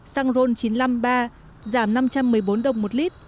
xăng ron chín trăm năm mươi ba giảm năm trăm một mươi bốn đồng một lít